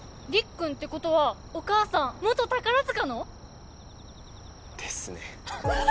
くんってことはお母さん元宝塚の？ですね